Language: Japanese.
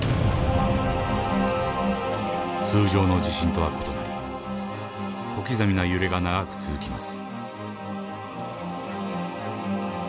通常の地震とは異なり小刻みな揺れが長く続きます。